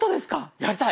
やりたい！